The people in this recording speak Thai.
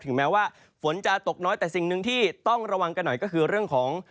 แม้ว่าฝนจะตกน้อยแต่สิ่งหนึ่งที่ต้องระวังกันหน่อยก็คือเรื่องของ